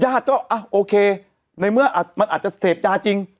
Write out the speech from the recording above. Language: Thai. ญาติก็โอเคในเมื่อมันอาจจะเสพยาจริง